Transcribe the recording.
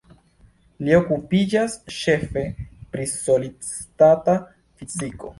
Li okupiĝas ĉefe pri solid-stata fiziko.